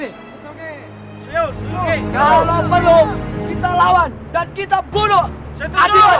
ibu membuat mereka dengan ke getir